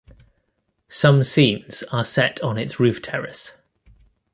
Some scenes are set on its roof terrace.